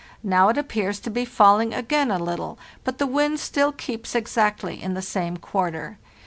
Now it appears to be falling again a little, but the wind still keeps exactly in the same quarter.